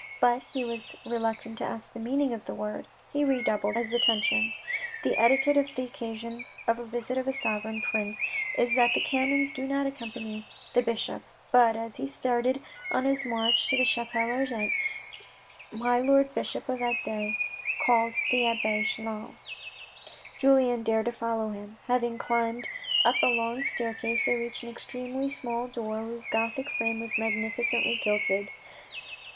But he was reluctant to ask the meaning of this word. He redoubled his attention. The etiquette on the occasion of a visit of a sovereign prince is that the canons do not accompany the bishop. But, as he started on his march to the cliapelle ardente, my lord bishop of Agde called the abbe Chelan. Julien dared to follow him. Having climbed up a long staircase, they reached an extremely small door whose Gothic frame was magnificently gilded.